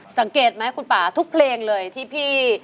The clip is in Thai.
สังเกตไหมคุณป่าทุกเพลงเลยที่พี่